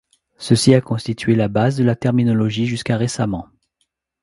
Ceci a constitué la base de la terminologie jusqu'à récemment.